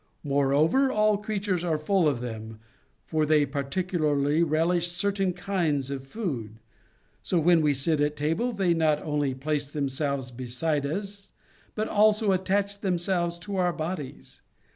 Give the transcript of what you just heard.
Moreover, all creatures are full of them, for they particu larly relish certain kinds of food. So when we sit at table, they not only place themselves 17 268 The Sign of the Cross beside us, but also attach themselves to oiir bodies.